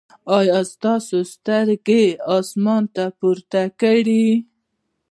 او سترګې ئې اسمان ته پورته کړې ـ